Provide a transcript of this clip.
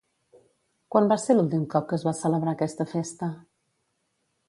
Quan va ser l'últim cop que es va celebrar aquesta festa?